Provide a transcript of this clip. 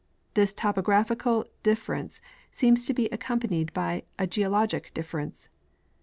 This topographic difference seems to be accompanied by a geologic difference.